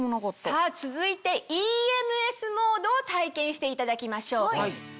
さぁ続いてＥＭＳモードを体験していただきましょう。